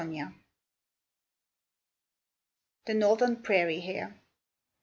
] THE NORTHERN PRAIRIE HARE.